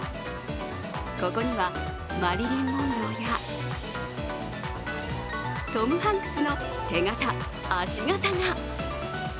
ここには、マリリン・モンローやトム・ハンクスの手形・足形が。